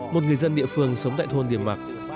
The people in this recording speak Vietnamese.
một người dân địa phương sống tại thôn điềm mạc